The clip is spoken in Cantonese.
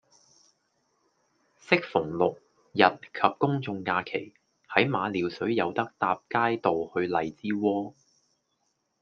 適逢六、日及公眾假期，喺馬料水有得搭街渡去荔枝窩